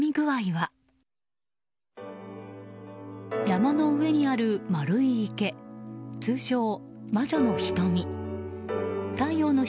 山の上にある丸い池通称、魔女の瞳。